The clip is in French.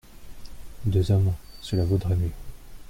Deux hommes, cela vaudrait mieux.